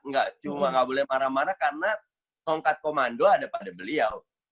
nggak cuma nggak boleh marah marah karena tongkat komando ada pada beliau